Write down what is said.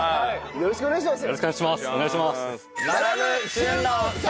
よろしくお願いします。